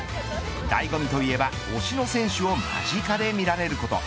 醍醐味といえば、押しの選手を間近で見られること。